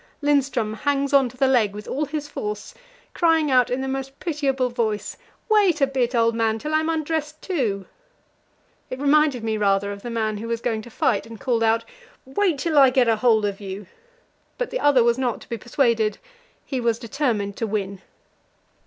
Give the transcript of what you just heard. Lindström hangs on to the leg with all his force, crying out, in the most pitiable voice: "Wait a bit, old man, till I'm undressed too!" It reminded me rather of the man who was going to fight, and called out: "Wait till I get a hold of you!" But the other was not to be persuaded; he was determined to win.